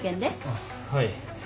あっはい。